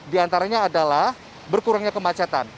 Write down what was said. di antaranya adalah berkurangnya kemacetan